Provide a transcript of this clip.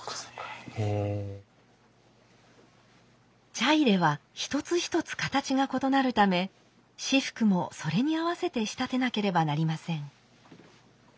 茶入は一つ一つ形が異なるため仕覆もそれに合わせて仕立てなければなりません。